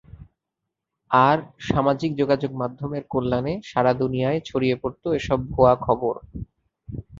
আর সামাজিক যোগাযোগমাধ্যমের কল্যাণে সারা দুনিয়ায় ছড়িয়ে পড়ত এসব ভুয়া খবর।